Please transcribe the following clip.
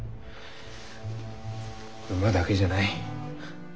馬だけじゃない。